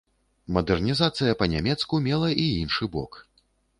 Мадэрнізацыя па-нямецку мела і іншы бок.